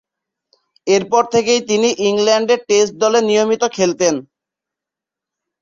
এরপর থেকেই তিনি ইংল্যান্ডের টেস্ট দলে নিয়মিত খেলতেন।